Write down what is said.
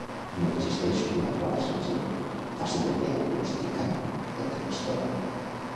No existeix una prova senzilla, fàcil de diagnosticar el trastorn.